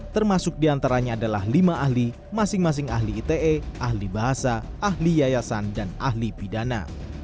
termasuk diantaranya adalah lima ahli masing masing ahli ite ahli bahasa ahli yayasan dan ahli pidana